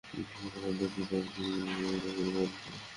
তুমি তো জানতে কিতাব কি এবং ঈমান কি?